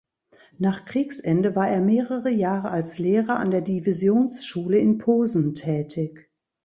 Nach Kriegsende war er mehrere Jahre als Lehrer an der Divisionsschule in Posen tätig.